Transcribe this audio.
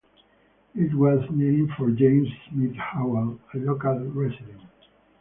It was named for James Smith Howell, a local resident.